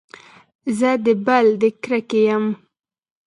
زه د بل د کرکې يم.